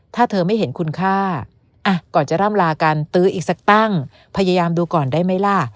ถ้าเธอไม่เห็นคุณค่าก่อนจะร่ำลากันตื้ออีกสักตั้งพยายามดูก่อนได้ไหมล่ะ